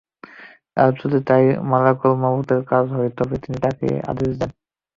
আর যদি তা মালাকুল মউতের কাজ হয় তবে তিনি তাকে তার আদেশ দেন।